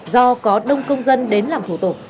do có đông công dân đến làm thủ tục